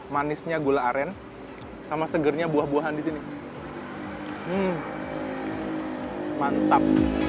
manisnya gula aren sama segernya buah buahan di sini hmm mantap